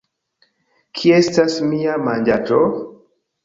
Kie estas mia manĝaĵo?